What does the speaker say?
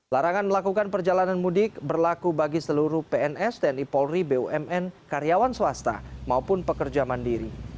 larangan melakukan perjalanan mudik berlaku bagi seluruh pns tni polri bumn karyawan swasta maupun pekerja mandiri